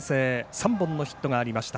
３本のヒットがありました。